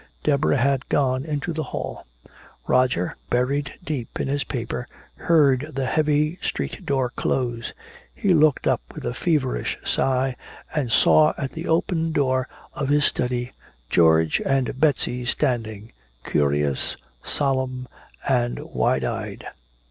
Deborah had gone into the hall. Roger, buried deep in his paper, heard the heavy street door close. He looked up with a feverish sigh and saw at the open door of his study George and Betsy standing, curious, solemn and wide eyed.